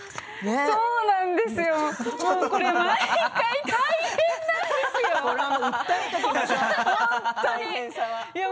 そうなんですよそれは大変なんですよ、本当に。